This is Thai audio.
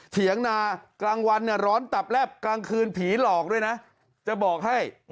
เถียงนากลางวันเนี่ยร้อนตับแลบกลางคืนผีหลอกด้วยนะจะบอกให้